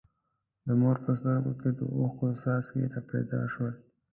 د مور په سترګو کې د اوښکو څاڅکي را پیدا شول.